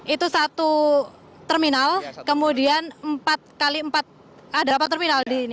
itu satu terminal kemudian empat kali empat ada apa terminal di ini